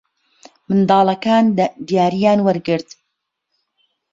منداڵەکان دیارییان وەرگرت.